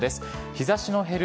日ざしの減る